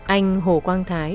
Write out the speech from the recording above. anh hồ quang thái